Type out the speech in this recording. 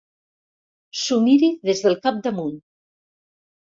S'ho miri des del capdamunt.